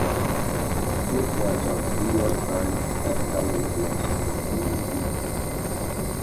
It was on the "New York Times" Best Seller list for many weeks.